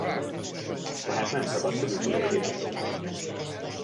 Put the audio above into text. Tehát nem szabad, hogy utolérjék.